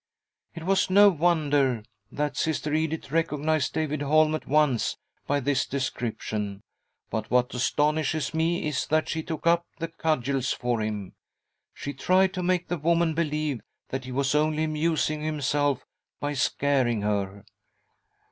" It was no wonder that Sister Edith recognised David Holm at once by this description, but what astonishes me is that she took up the cudgels for him. She tried to make the woman believe that he was only amusing himself by scaring her.